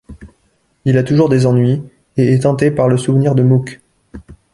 Il a toujours des ennuis et est hanté par le souvenir de Mook.